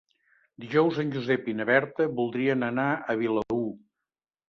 Dijous en Josep i na Berta voldrien anar a Vilaür.